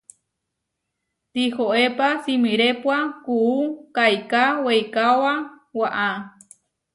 Tihoépa simirépua kuú kaiká weikaóba waʼá.